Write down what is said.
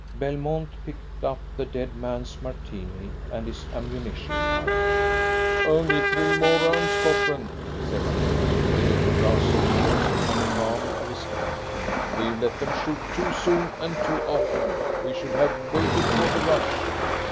Belmont picked up the dead man's Martini and his ammunition pouch. "Only three more rounds, Cochrane," said he, with the little brass cylinders upon the palm of his hand. "We've let them shoot too soon, and too often. We should have waited for the rush."